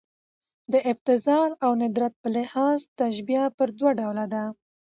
د ابتذال او ندرت په لحاظ تشبیه پر دوه ډوله ده.